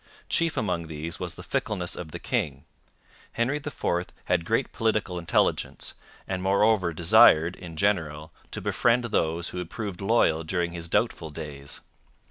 Chief among these was the fickleness of the king. Henry IV had great political intelligence, and moreover desired, in general, to befriend those who had proved loyal during his doubtful days.